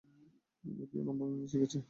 যদিও ধর্মনিন্দা শিখেছে।